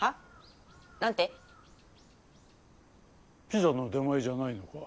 ピザの出前じゃないのか？